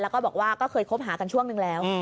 แล้วก็บอกว่าก็เคยคบหากันช่วงนึงแล้ว